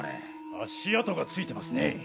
足跡が付いてますね。